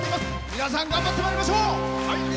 皆さん頑張ってまいりましょう。